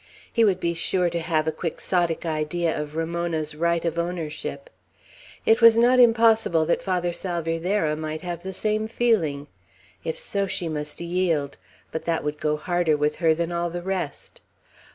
He would be sure to have a quixotic idea of Ramona's right of ownership. It was not impossible that Father Salvierderra might have the same feeling. If so, she must yield; but that would go harder with her than all the rest.